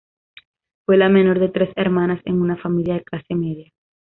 Fue la menor de tres hermanas en una familia de clase media.